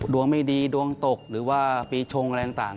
ดวงไม่ดีดวงตกหรือว่าปีชงอะไรต่าง